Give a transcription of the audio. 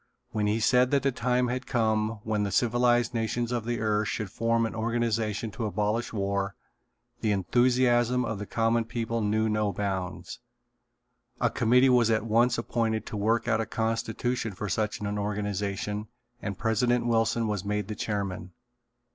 When he said that the time had come when the civilized nations of the earth should form an organization to abolish war the enthusiasm of the common people knew no bounds. A committee was at once appointed to work out a constitution for such an organization and President Wilson was made the chairman.